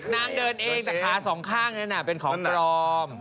นางเดินเองแต่ขาสองข้างนั้นเป็นของปลอม